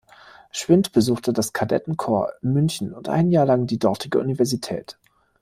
Schwind besuchte das Kadettenkorps in München und ein Jahr lang die dortige Universität.